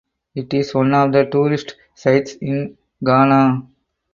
It is one of the tourist sites in Ghana.